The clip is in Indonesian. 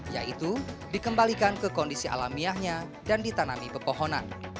yaitu dikembalikan ke kondisi alamiahnya dan ditanami pepohonan